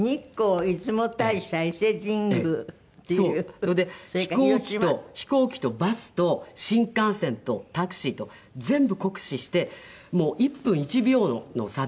それで飛行機とバスと新幹線とタクシーと全部酷使してもう１分１秒の差で。